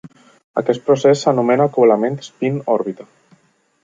Aquest procés s'anomena acoblament spin-òrbita.